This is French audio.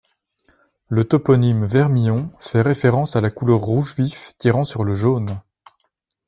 Le toponyme Vermillon fait référence à la couleur rouge vif tirant sur le jaune.